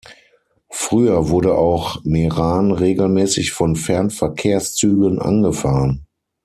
Früher wurde auch Meran regelmäßig von Fernverkehrszügen angefahren.